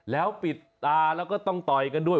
แล้วปิดตาแล้วก็ต้องต่อยกันด้วย